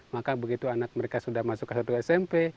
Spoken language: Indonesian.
maka begitu anak mereka sudah masuk ke satu smp